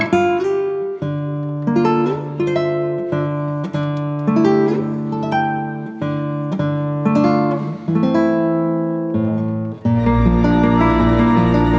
mas geramlah kabur